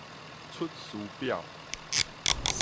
出師表